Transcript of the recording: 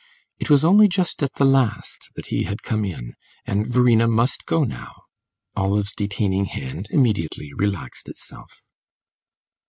It was only just at the last that he had come in, and Verena must go now; Olive's detaining hand immediately relaxed itself.